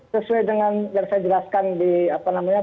sesuai dengan yang saya jelaskan di apa namanya